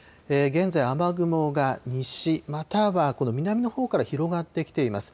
現在、雨雲が西、またはこの南のほうから広がってきています。